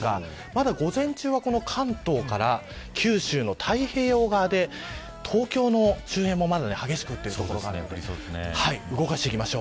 まだ午前中は、この関東から九州の太平洋側で東京の周辺もまだ激しく降っている所があります。